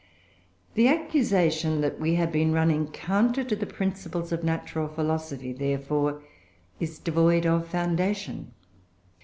The accusation that we have been running counter to the principles of natural philosophy, therefore, is devoid of foundation.